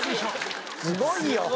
すごいよ。